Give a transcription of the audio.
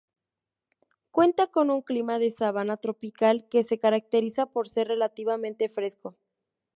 Cuenta con un clima de sabana tropical que se caracteriza por ser relativamente fresco.